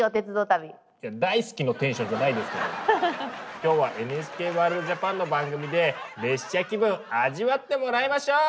きょうは「ＮＨＫワールドＪＡＰＡＮ」の番組で列車気分味わってもらいましょう！